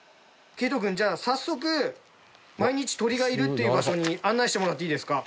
けいとくんじゃあ早速毎日鳥がいるっていう場所に案内してもらっていいですか？